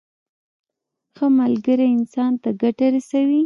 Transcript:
ښه ملګری انسان ته ګټه رسوي.